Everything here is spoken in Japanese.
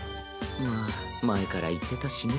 まあ前から言ってたしね。